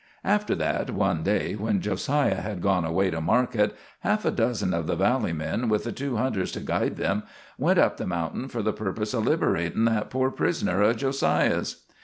After that, one day, when Jo siah had gone away to market, half a dozen of the valley men, with the two hunters to guide them, went up the mountain for the purpose of liberating that poor prisoner o' Jo siah's.